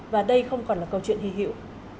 và đây không còn là câu chuyện hy hiệu